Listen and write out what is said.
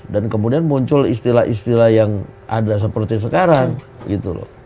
dan kemudian muncul istilah istilah yang ada seperti sekarang gitu loh